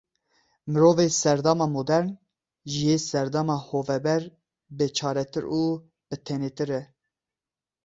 Mirovê serdema modern, ji yê serdema hoveber bêçaretir û bitenêtir e.